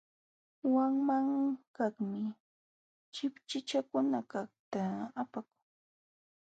Wanmankaqmi chipchichakunakaqta apakun.